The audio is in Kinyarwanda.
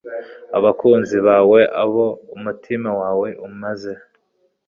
abakunzi bawe abo umutima wawe umaze